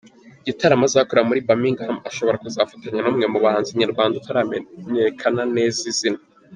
Igitaramo azakorere muri Birmingham ashobora kuzafatanya n’umwe mu bahanzi nyarwanda utaramenyekana neza izina.